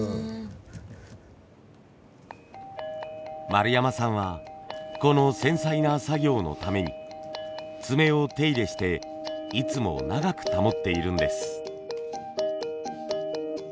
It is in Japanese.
丸山さんはこの繊細な作業のために爪を手入れしていつも長く保っているんです。